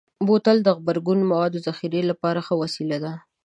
بوتل د غبرګون موادو ذخیره لپاره ښه وسیله ده.